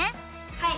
はい！